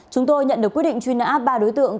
chúng tôi nhận được quyết định truy nã ba đối tượng